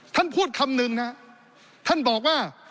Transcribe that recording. ท่านพูดคำหนึ่งนะท่านบอกว่า